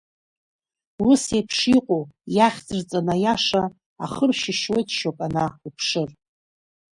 Ус еиԥш иҟоу, иахьӡырҵан аиаша, ахы ршьышьуеит шьоук ана, уԥшыр.